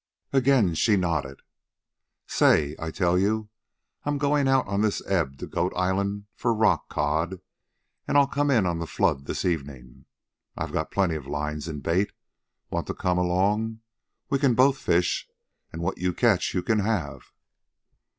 Again she nodded. "Say I'll tell you, I'm goin' out on this ebb to Goat Island for rockcod, an' I'll come in on the flood this evening. I got plenty of lines an' bait. Want to come along? We can both fish. And what you catch you can have."